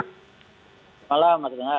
selamat malam mas dengan